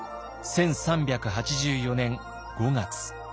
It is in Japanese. １３８４年５月。